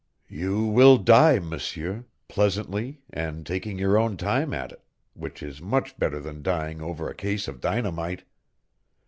"You will die, M'seur, pleasantly and taking your own time at it, which is much better than dying over a case of dynamite.